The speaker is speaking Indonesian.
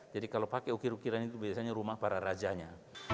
jadi kalau pake ukir ukiran itu biasanya rumah para rajanya